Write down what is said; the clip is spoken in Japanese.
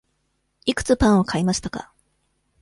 いくつパンを買いましたか。